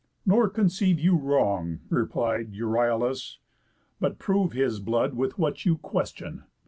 "Nor conceive you wrong," Replied Euryalus, "but prove his blood With what you question."